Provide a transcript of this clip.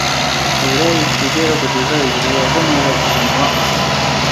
ⵓⵔ ⴰⵔ ⵉⵜⵜⵉⴷⵉⵔ ⵓⴳⴹⵉⴹ ⴰⴷ ⴳ ⵍⵢⴰⴱⴰⵏ ⵓⵍⴰ ⴳ ⵛⵛⵉⵏⵡⴰ.